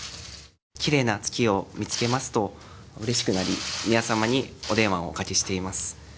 きれいな月を見つけますと、うれしくなり、宮様にお電話をおかけしています。